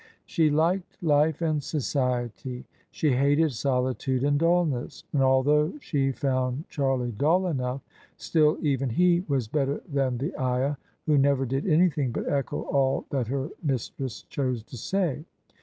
She liked life and society; she hated solitude and dulness: and although she foimd Charlie dull enough, still even he was better than the ayah, who never did anything but echo all that her mistress chose to say.